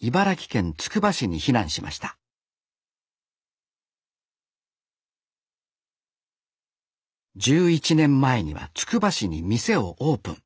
茨城県つくば市に避難しました１１年前にはつくば市に店をオープン。